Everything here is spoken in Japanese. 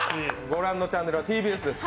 御覧のチャンネルはＴＢＳです。